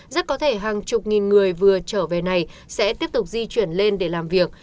rất có thể hàng chục nghìn người vừa trở về này sẽ tiếp tục di chuyển lên để làm việc